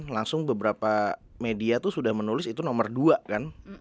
langsung beberapa media tuh sudah menulis itu nomor dua kan